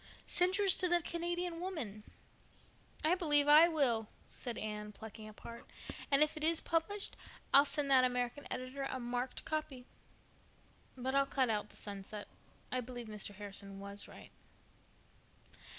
Send yours to the Canadian Woman." "I believe I will," said Anne, plucking up heart. "And if it is published I'll send that American editor a marked copy. But I'll cut the sunset out. I believe Mr. Harrison was right."